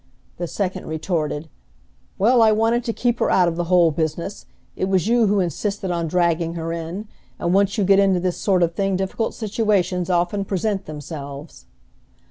The second retorted, "Well, I wanted to keep her out of the whole business. It was you who insisted on dragging her in; and once you get into this sort of thing difficult situations often present themselves."